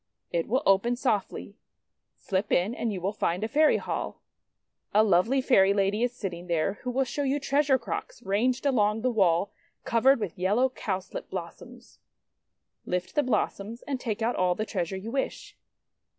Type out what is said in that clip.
It will open softly. Slip in, and you will find a Fairy Hall. A lovely Fairy Lady is sitting there, who will show you treasure crocks ranged along the wall covered with yellow Cowslip blossoms. Lift the blossoms, and take out all the treasure you wrish.